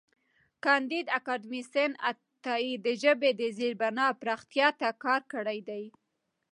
کانديد اکاډميسن عطايي د ژبې د زېربنا پراختیا ته کار کړی دی.